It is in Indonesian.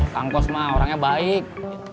kang kos mah orangnya baik